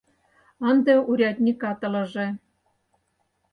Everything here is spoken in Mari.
Ынде урядникат ылыже.